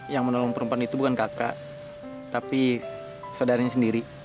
yang menolong perempuan itu bukan kakak tapi saudaranya sendiri